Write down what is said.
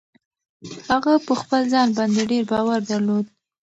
هغه په خپل ځان باندې ډېر باور درلود.